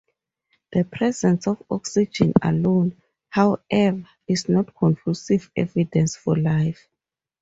The presence of oxygen alone, however, is not conclusive evidence for life.